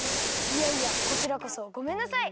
いやいやこちらこそごめんなさい。